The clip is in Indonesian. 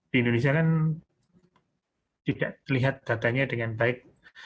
di indonesia kan tidak terlihat datanya dengan baik